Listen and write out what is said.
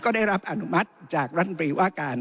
ได้รับอนุมัติจากรัฐบรีว่าการ